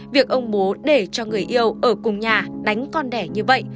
việc ông bố để cho người yêu ở cùng nhà đánh con đẻ như vậy